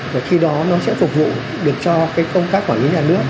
và khi đó nó sẽ phục vụ được cho công khách của nhà nước